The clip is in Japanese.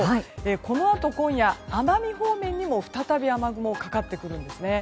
このあと今夜奄美方面にも再び雨雲がかかってくるんですね。